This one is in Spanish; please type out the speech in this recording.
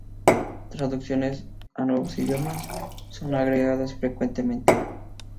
Traducciones a nuevos idiomas son agregadas frecuentemente.